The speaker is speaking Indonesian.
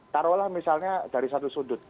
taruhlah misalnya dari satu sudut